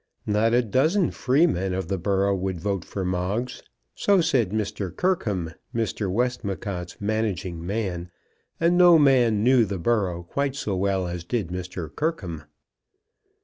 Not a dozen freemen of the borough would vote for Moggs. So said Mr. Kirkham, Mr. Westmacott's managing man, and no man knew the borough quite so well as did Mr. Kirkham.